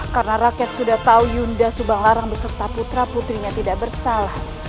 karena rakyat sudah tahu yunda subang larang beserta putra putrinya tidak bersalah